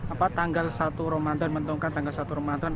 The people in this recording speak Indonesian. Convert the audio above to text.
apa tanggal satu ramadhan menentukan tanggal satu ramadhan